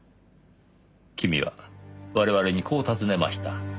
君は我々にこう尋ねました。